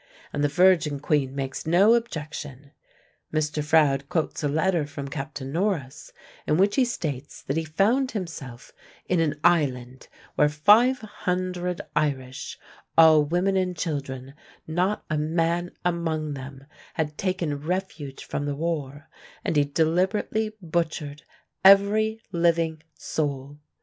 And the Virgin Queen makes no objection! Mr. Froude quotes a letter from Captain Norris, in which he states that he found himself in an island where five hundred Irish (all women and children; not a man among them) had taken refuge from the war; and he deliberately butchered every living soul!